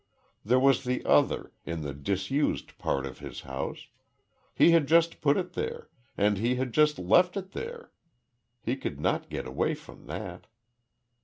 There was the other, in the disused part of his house. He had just put it there, and he had just left it there. He could not get away from that.